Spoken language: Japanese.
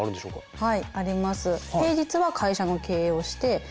はい。